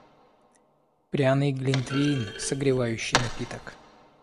Пряный глинтвейн - согревающий напиток.